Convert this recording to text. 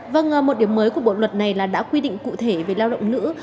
vâng một điểm mới của bộ luật này là đã quy định cụ thể về lao động nữ